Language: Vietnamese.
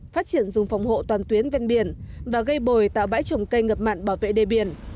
phát triển dùng phòng hộ toàn tuyến ven biển và gây bồi tạo bãi trồng cây ngập mặn bảo vệ đề biển